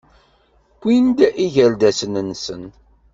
Wwin-d igerdasen-nsen.